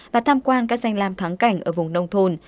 và tham quan các danh lam thắng cảnh ở vùng nông thôn